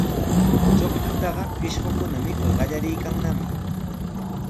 Chuqllataqa pishqukuna mikur qallariykannami.